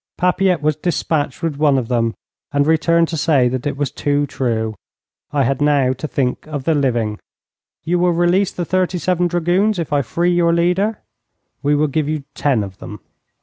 Papilette was dispatched with one of them, and returned to say that it was too true. I had now to think of the living. 'You will release the thirty seven dragoons if I free your leader?' 'We will give you ten of them.'